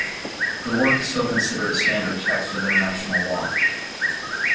The work is still considered a standard text of international Law.